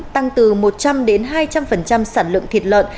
tăng từ một trăm linh đến hai trăm linh sản lượng thịt lợn